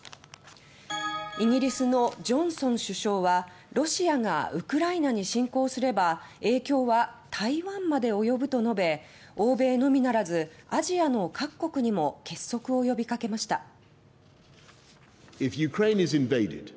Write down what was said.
イギリスのジョンソン首相はロシアがウクライナに侵攻すれば影響は台湾まで及ぶと述べ欧米のみならずアジアの各国にも結束を呼びかけました。